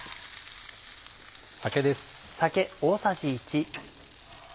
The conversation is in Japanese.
酒です。